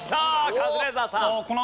カズレーザーさん。